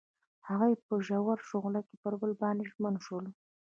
هغوی په ژور شعله کې پر بل باندې ژمن شول.